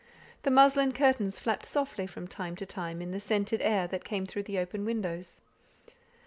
The muslin curtains flapped softly from time to time in the scented air that came through the open windows.